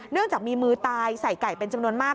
จากมีมือตายใส่ไก่เป็นจำนวนมาก